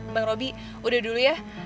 bang roby udah dulu ya